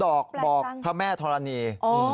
๒ดอกบอกพระแม่ธรณีย์